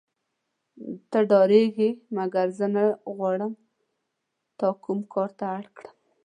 ته ډارېږې مګر زه نه غواړم تا کوم کار ته اړ کړم.